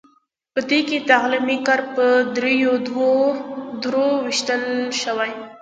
په دې کې تعلیمي کار په دریو دورو ویشل شوی.